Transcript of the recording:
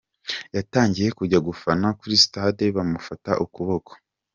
Yatangiye kujya gufana kuri Stade, bamufata ukuboko.